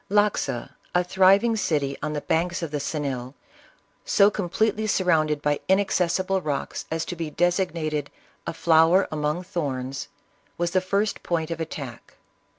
Loxa, a thriving city on the banks of the Xenil, so completely surrounded by inaccessible rocks as to be designated " a flower among thorns," was the first point of attack.